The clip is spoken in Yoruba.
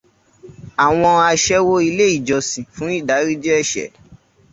Àwọn aṣẹ́wó ilé ìjọsìn fún ìdáríjì ẹ̀ṣẹ̀.